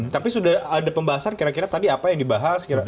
tapi sudah ada pembahasan kira kira tadi apa yang dibahas kira kira